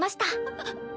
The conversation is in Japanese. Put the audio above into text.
あっ。